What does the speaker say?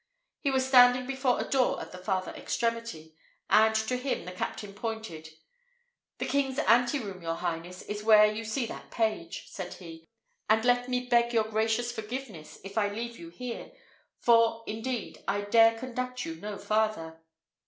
He was standing before a door at the farther extremity, and to him the captain pointed. "The king's ante room, your highness, is where you see that page," said he; "and let me beg your gracious forgiveness if I leave you here, for indeed I dare conduct you no farther."